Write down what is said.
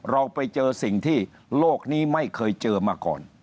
เราไปเจอสิ่งที่โลกนี้ไม่เคยเจอมาก่อน